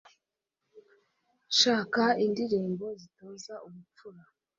shaka indirimbo zitoza ubupfura